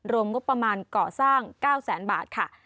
รวมงบประมาณก่อสร้าง๙แสนบาทค่ะ